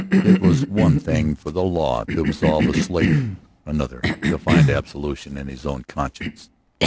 It was one thing for the law to absolve a slayer; another to find absolution in his own conscience.